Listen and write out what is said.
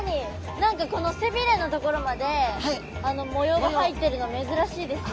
何かこの背びれの所まで模様が入ってるの珍しいですね。